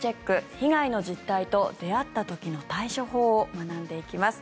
被害の実態と出会った時の対処法を学んでいきます。